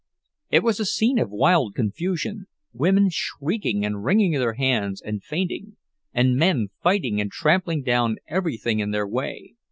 It was a scene of wild confusion, women shrieking and wringing their hands and fainting, and men fighting and trampling down everything in their way.